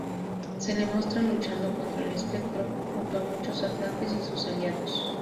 Se le muestra luchando contra el Espectro junto a muchos atlantes y sus aliados.